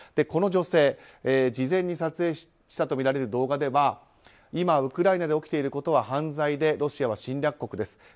この女性、事前に撮影したとみられる動画では今、ウクライナで起きていることは犯罪でロシアは侵略国です。